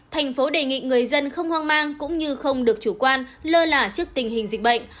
thành phố đề nghị người dân không hoang mang cũng như không được chủ quan lơ lả trước tình hình dịch bệnh